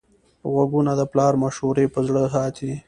غوږونه د پلار مشورې په زړه ساتي